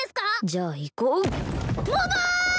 じゃあ行こう桃！